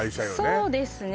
そうですね